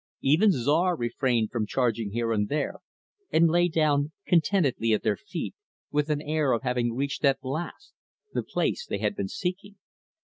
Even Czar refrained from charging here and there, and lay down contentedly at their feet, with an air of having reached at last the place they had been seeking.